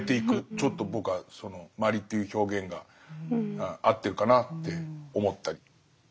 ちょっと僕はその「マリ」という表現が合ってるかなって思ったり。